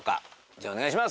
じゃあお願いします。